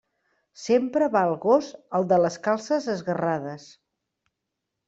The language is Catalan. Sempre va el gos al de les calces esgarrades.